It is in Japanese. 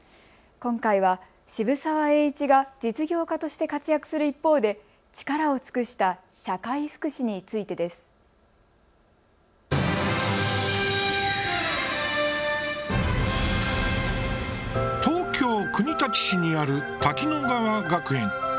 今回は渋沢栄一が実業家として活躍する一方で力を尽くした社会福祉についてです。東京・国立市にある滝乃川学園。